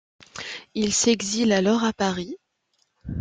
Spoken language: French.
Il s'exile alors à Paris.